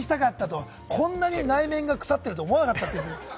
こんなに内面が腐っていると思わなかったと。